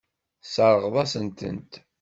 Tesseṛɣeḍ-asent-tent.